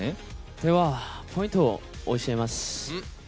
ではポイントを教えます。